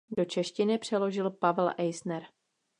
Do češtiny přeložil Pavel Eisner.